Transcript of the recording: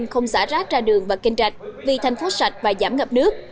không xả rác ra đường và kinh trạch vì thành phố sạch và giảm ngập nước